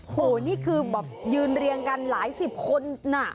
โอ้โหนี่คือแบบยืนเรียงกันหลายสิบคนน่ะ